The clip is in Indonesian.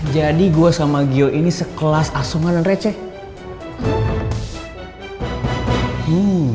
jadi gue sama gio ini sekelas asungan dan receh